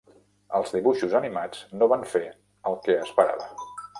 Els dibuixos animats no van fer el que esperava.